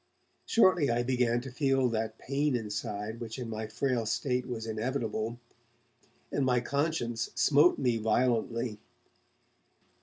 Shortly I began to feel that pain inside which in my frail state was inevitable, and my conscience smote me violently.